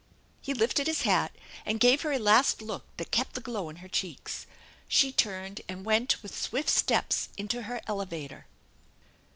He lifted his hat and gave her a last look that kept the glow in her cheeks. She turned and went with swift steps in to her elevator.